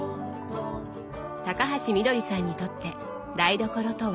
高橋みどりさんにとって台所とは？